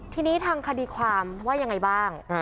ทีนี้ทางคดีความว่ายังไงบ้าง